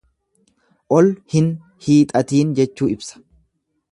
Ol hin hiixatiin jechuu ibsa.